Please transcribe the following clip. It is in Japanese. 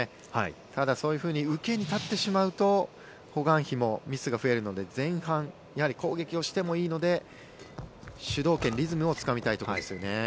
ただ、そういうふうに受けに立ってしまうとホ・グァンヒもミスが増えるので前半やはり攻撃をしてもいいので主導権、リズムをつかみたいということですね。